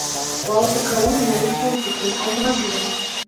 У аўтакалоне налічвалася сем аўтамабіляў.